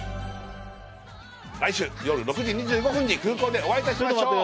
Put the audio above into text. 来週夜６時２５分に空港でお会いいたしましょう。